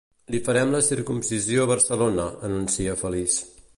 Li farem la circumcisió a Barcelona, anuncia feliç.